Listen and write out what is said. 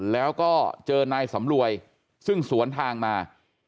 แล้วก็เจอนายสำรวยซึ่งสวนทางมา